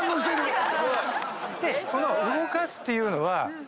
でこの動かすというのは。